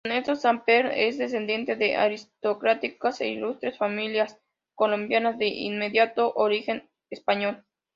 Ernesto Samper es descendiente de aristocráticas e ilustres familias colombianas, de inmediato origen español.